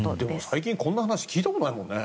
最近こんな話聞いたことないもんね。